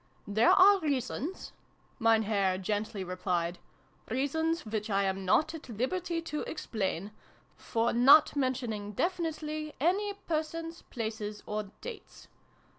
"There are reasons," Mein Herr gently replied, " reasons which I am not at liberty to explain, for not mentioning definitely any Persons, Places, or Dates.